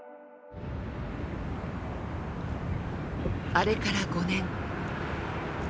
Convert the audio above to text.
あれから５年。